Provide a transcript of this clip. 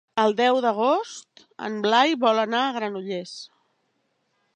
El deu d'agost en Blai vol anar a Granollers.